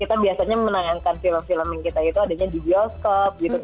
kita biasanya menayangkan film film yang kita itu adanya di bioskop